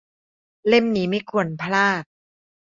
- เล่มนี้ไม่ควรพลาด